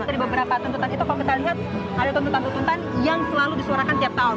dari beberapa tuntutan itu kalau kita lihat ada tuntutan tuntutan yang selalu disuarakan tiap tahun